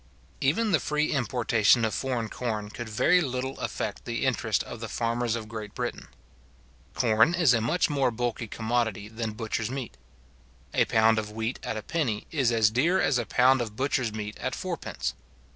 Even the free importation of foreign corn could very little affect the interest of the farmers of Great Britain. Corn is a much more bulky commodity than butcher's meat. A pound of wheat at a penny is as dear as a pound of butcher's meat at fourpence.